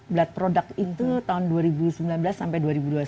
blood product itu tahun dua ribu sembilan belas sampai dua ribu dua puluh satu